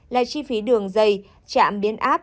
là chi phí đường dây chạm biến áp